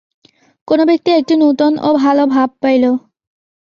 কোন ব্যক্তি একটি নূতন ও ভাল ভাব পাইল।